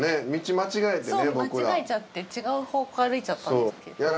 間違えちゃって違う方向歩いちゃったんですけど。